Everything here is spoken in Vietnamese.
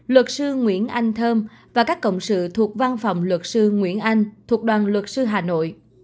luật sư nguyễn anh thơm và các cộng sự thuộc văn phòng luật sư nguyễn anh thuộc đoàn luật sư hà nội